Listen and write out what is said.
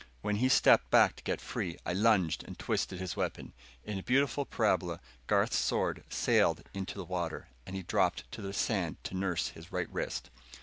When he stepped back to get free, I lunged and twisted his weapon. In a beautiful parabola, Garth's sword sailed out into the water, and he dropped to the sand to nurse his right wrist.